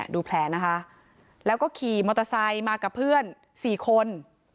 ดูแผลนะคะแล้วก็ขี่มอเตอร์ไซค์มากับเพื่อน๔คน